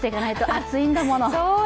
暑いんだもの。